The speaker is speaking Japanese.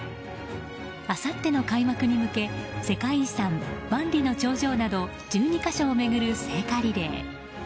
あさっての開幕に向け世界遺産・万里の長城など１２か所を巡る聖火リレー。